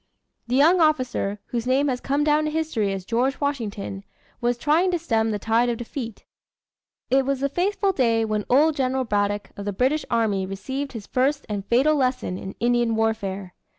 The young officer, whose name has come down to history as George Washington, was trying to stem the tide of defeat. It was the fateful day when old General Braddock of the British army received his first and fatal lesson in Indian warfare.